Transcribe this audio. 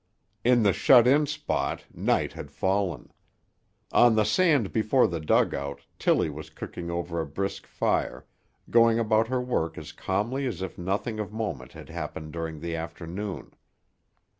In the shut in spot night had fallen. On the sand before the dugout Tillie was cooking over a brisk fire, going about her work as calmly as if nothing of moment had happened during the afternoon.